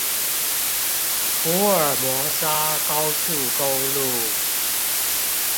福爾摩沙高速公路